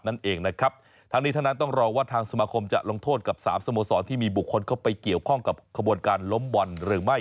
นั่นเองนะครับทั้งนี้ทั้งนั้นต้องรอว่าทางสมาคมจะลงโทษกับสามสโมสรที่มีบุคคลเข้าไปเกี่ยวข้องกับขบวนการล้มบอลหรือไม่